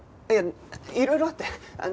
いやいろいろあって。